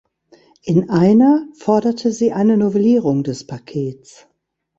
In einer forderte sie eine Novellierung des Pakets.